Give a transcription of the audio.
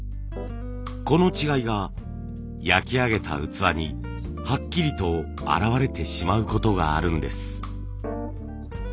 この違いが焼き上げた器にはっきりと表れてしまうことがあるんです。